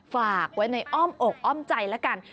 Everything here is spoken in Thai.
ฝากไว้ในอ้อมอกอ้อมใจแล้วกัน